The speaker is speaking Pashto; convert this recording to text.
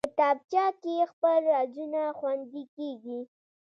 کتابچه کې خپل رازونه خوندي کېږي